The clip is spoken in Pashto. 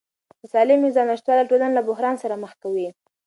د سالمې غذا نشتوالی ټولنه له بحران سره مخ کوي.